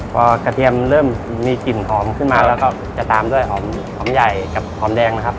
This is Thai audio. พอกระเทียมเริ่มมีกลิ่นหอมขึ้นมาแล้วก็จะตามด้วยหอมใหญ่กับหอมแดงนะครับ